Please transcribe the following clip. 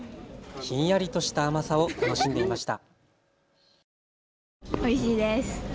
ひんやりとした甘さを楽しんでいました。